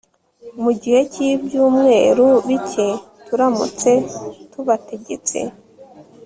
mu gihe cyibyumweru bike Turamutse tubategetse